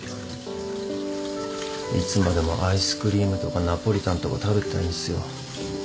いつまでもアイスクリームとかナポリタンとか食べてたいんすよ。